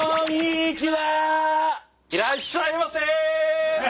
いらっしゃいませ。